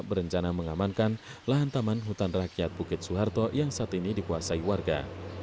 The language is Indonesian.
berencana mengamankan lahan taman hutan rakyat bukit soeharto yang saat ini dikuasai warga